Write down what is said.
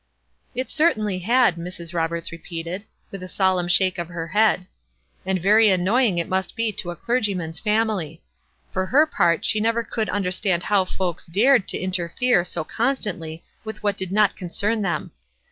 "It certainly had," Mrs. Roberts repeated, with a solemn shake of her head. "And very annoying it must be to a clergyman's family. For her part she never could understand how folks dared to interfere so constantly with what did not concern them.